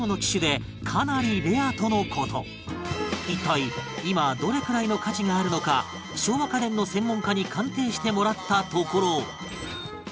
一体今どれくらいの価値があるのか昭和家電の専門家に鑑定してもらったところ